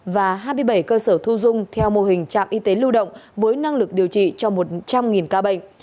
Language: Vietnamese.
và hai mươi bảy cơ sở thu dung theo mô hình trạm y tế lưu động với năng lực điều trị cho một trăm linh ca bệnh